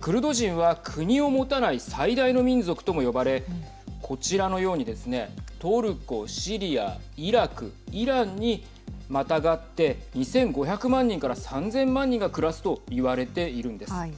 クルド人は、国を持たない最大の民族とも呼ばれこちらのようにですねトルコ、シリア、イラクイランにまたがって２５００万人から３０００万人が暮らすと言われているんです。